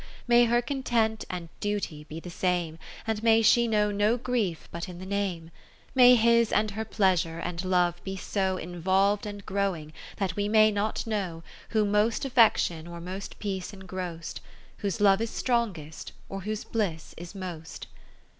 Ill May her Content and Duty be the same, And may she know no grief but in the name. To 7ny dear Sister^ Mrs. C. P. May his and her pleasure and love be so Involv'd and growing, that we may not know Who most affection or most peace engrost ; Whose love is strongest, or whose bliss is most.